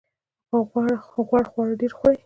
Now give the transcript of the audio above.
غوړ خواړه ډیر خورئ؟